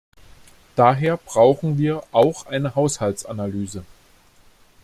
Daher brauchen wir auch eine Haushaltsanalyse.